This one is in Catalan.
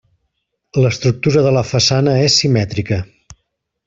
L'estructura de la façana és simètrica.